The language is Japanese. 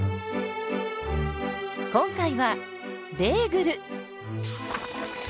今回はベーグル！